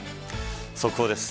速報です。